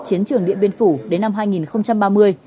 chiến trường điện biên phủ đến năm hai nghìn ba mươi